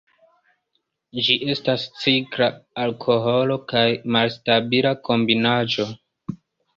Ĝi estas cikla alkoholo kaj malstabila kombinaĵo.